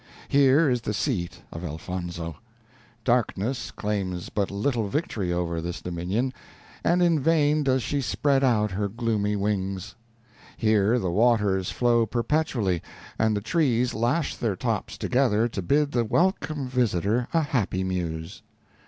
Here is the seat of Elfonzo; darkness claims but little victory over this dominion, and in vain does she spread out her gloomy wings. Here the waters flow perpetually, and the trees lash their tops together to bid the welcome visitor a happy muse.